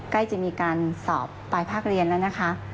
ใกล้จะมีการสอบปลายภาคเรียนแล้วนะคะ